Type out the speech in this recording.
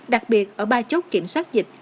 đặc biệt ở ba chốt kiểm soát dịch